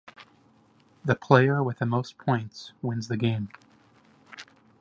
The player with the most points wins the game.